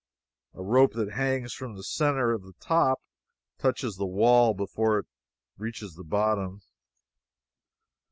A rope that hangs from the centre of the top touches the wall before it reaches the bottom.